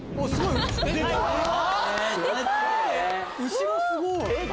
後ろすごい！